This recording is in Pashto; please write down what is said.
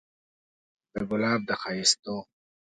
د ګلاب د ښايستو